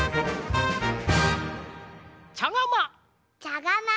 ちゃがま。